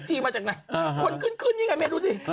คนขึ้นอย่างไรกันเนี่ยดูสิ